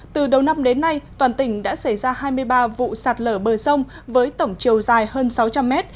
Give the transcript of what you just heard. từ đầu năm đến nay toàn tỉnh đã xảy ra hai mươi ba vụ sạt lở bờ sông với tổng chiều dài hơn sáu trăm linh mét